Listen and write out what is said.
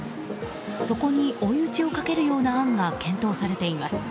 そこに追い打ちをかけるような案が検討されています。